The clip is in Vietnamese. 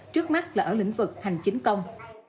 trước mắt là ở lĩnh vực hành chính công